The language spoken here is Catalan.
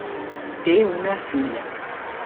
Té una filla.